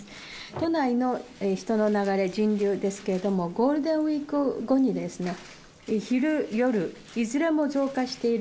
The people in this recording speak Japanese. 都内の人の流れ、人流ですけれども、ゴールデンウィーク後に、昼夜、いずれも増加している。